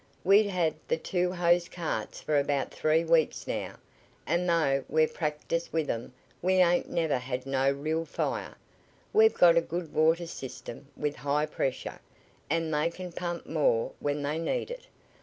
We've had th' two hose carts for about three weeks now, an' though we've practiced with 'em we ain't never had no real fire. We've got a good water system, with high pressure, an' they can pump more when they need it.